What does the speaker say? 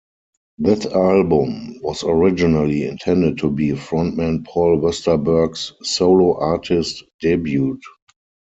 This album was originally intended to be front man Paul Westerberg's solo artist debut.